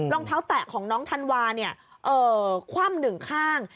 รองเท้าแตะของน้องธันวาเนี่ยคว่ำหนึ่งข้าง